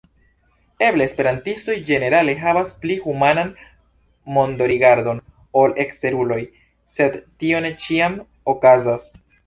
Eble esperantistoj ĝenerale havas pli humanan mondorigardon ol eksteruloj, sed tio ne ĉiam okazas.